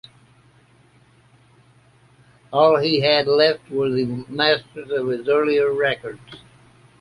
All he had left were the masters of his earlier records.